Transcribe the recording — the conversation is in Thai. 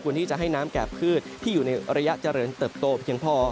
ที่จะให้น้ำแก่พืชที่อยู่ในระยะเจริญเติบโตเพียงพอ